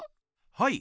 はい。